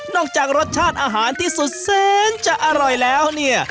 จากรสชาติอาหารที่สุดแสนจะอร่อยแล้วเนี่ย